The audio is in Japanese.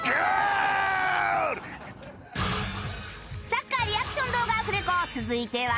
サッカーリアクション動画アフレコ続いては